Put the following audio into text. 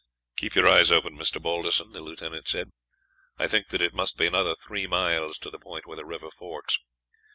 "Keep your eyes open, Mr. Balderson," the lieutenant said. "I think that it must be another three miles to the point where the river forks.